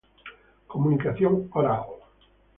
Comunicación oral.